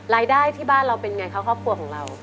รายได้ที่บ้านเราเป็นไงคะครอบครัวของเรา